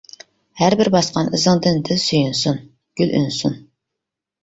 ھەربىر باسقان ئىزىڭدىن دىل سۆيۈنسۇن، گۈل ئۈنسۇن!